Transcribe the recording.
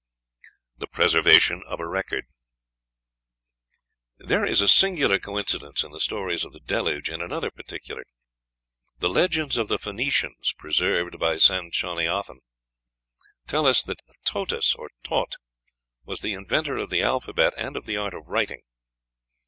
The Preservation of a Record. There is a singular coincidence in the stories of the Deluge in another particular. The legends of the Phoenicians, preserved by Sanchoniathon, tell us that Taautos, or Taut, was the inventor of the alphabet and of the art of writing.